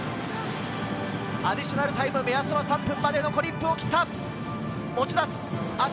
アディショナルタイム目安３分まで、残り１分を切った。